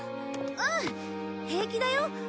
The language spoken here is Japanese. うん平気だよ。